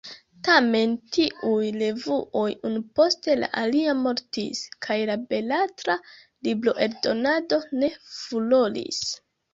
Tamen tiuj revuoj unu post la alia mortis, kaj la beletra libroeldonado ne furoris.